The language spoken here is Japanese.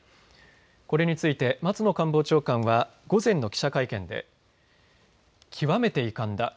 これについて松野官房長官は午前の記者会見で極めて遺憾だ。